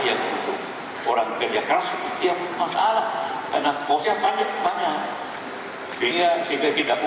ya mungkin tidak ada pencuba yang jatuh